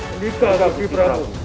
sendika agusti prabu